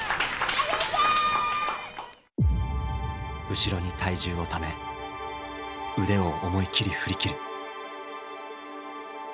後ろに体重をため腕を思いっきり振りきる。